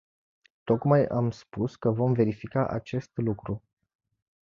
Tocmai am spus că vom verifica acest lucru.